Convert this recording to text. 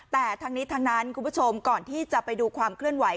แต่ทั้งนี้ทั้งนั้นคุณผู้ชมก่อนที่จะไปดูความเคลื่อนไหว